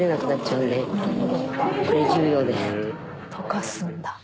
溶かすんだ。